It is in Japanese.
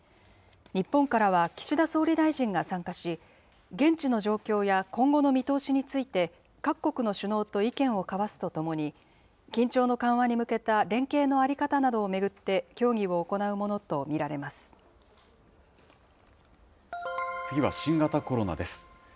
日本からは岸田総理大臣が参加し、現地の状況や今後の見通しについて、各国の首脳と意見を交わすとともに、緊張の緩和に向けた連携の在り方などを巡って、協議を行うものと次は新型コロナです。